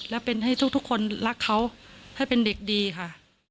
และเป็นให้ทุกคนรักเขาให้เป็นเด็กดีค่ะ